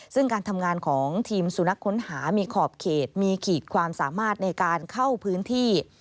ซึ่งการทำงานของทีมสุนัขค้นหามีขอบเขตมีขีดความสามารถในการเข้าพื้นที่